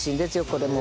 これも。